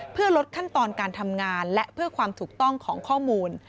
เพื่อลดขั้นตอนการทำงานและเพื่อความถูกต้องของข้อมูล